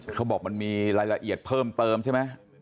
เขาบอกมันมีรายละเอียดเพิ่มเติมใช่ไหม